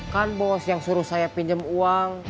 kan bos yang suruh saya pinjam uang